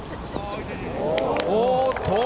おーっと。